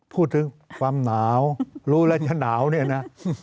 พูดถึงความหนาวรู้แล้วจะหนาวเนี่ยนะ